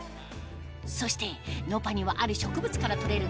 そしてｎｏｐａにはある植物から採れる